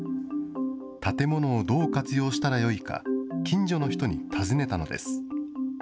建物をどう活用したらよいか、近所の人に尋ねたのです。